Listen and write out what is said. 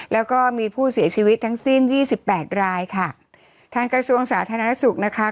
แล้วก็มีผู้เสียชีวิตทั้งสิ้นยี่สิบแปดรายค่ะทางกระทรวงสาธารณสุขนะคะ